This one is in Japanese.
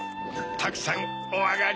たくさんおあがり。